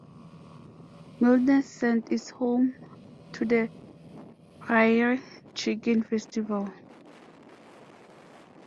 Milnesand is home to the Prairie Chicken Festival.